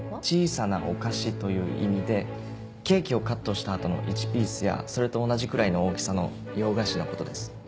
「小さなお菓子」という意味でケーキをカットした後の１ピースやそれと同じくらいの大きさの洋菓子のことです。